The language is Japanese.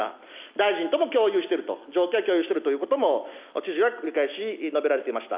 大臣とも共有してると、状況は共有しているということも、知事は繰り返し述べられていました。